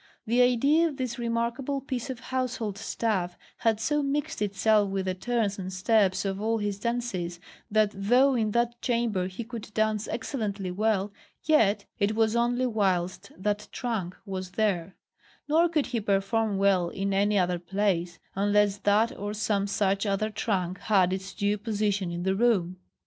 The idea of this remarkable piece of household stuff had so mixed itself with the turns and steps of all his dances, that though in that chamber he could dance excellently well, yet it was only whilst that trunk was there; nor could he perform well in any other place, unless that or some such other trunk had its due position in the room.